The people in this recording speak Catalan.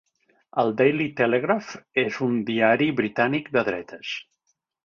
El Daily Telegraph és un diari britànic de dretes.